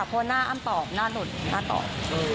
เพราะว่าหน้าอ้ำตอบหน้าหลุดหน้าตอบ